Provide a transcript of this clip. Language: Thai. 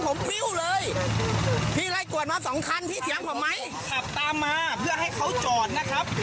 ผมปริ้วเลยพี่ไล่กวดมาสองคันพี่เถียงผมไหมขับตามมาเพื่อให้เขาจอดนะครับ